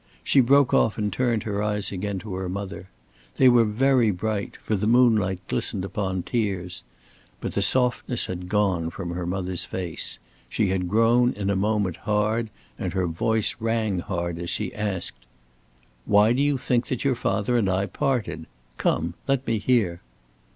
She broke off and turned her eyes again to her mother. They were very bright, for the moonlight glistened upon tears. But the softness had gone from her mother's face. She had grown in a moment hard, and her voice rang hard as she asked: "Why do you think that your father and I parted? Come, let me hear!"